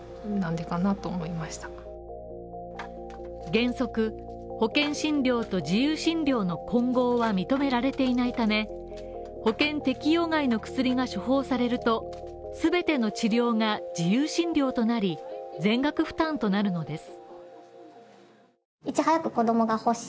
原則、保険診療と自由診療の混合は認められていないため、保険適用外の薬が処方されると、全ての治療が自由診療となり、全額負担となるのです。